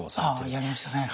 ああやりましたね。